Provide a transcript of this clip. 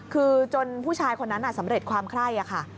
คือจนผู้ชายคนนั้นสำเร็จความไคร้ค่ะ